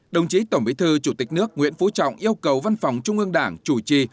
đồng chí tổng bí thư chủ tịch nước nguyễn phú trọng yêu cầu văn phòng trung ương đảng chủ trì